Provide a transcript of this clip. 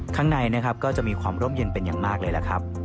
ข้างในนะครับก็จะมีความร่มเย็นเป็นอย่างมากเลยล่ะครับ